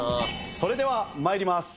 それでは参ります。